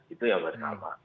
itu yang pertama